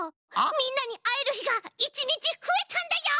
みんなにあえるひが１にちふえたんだよ！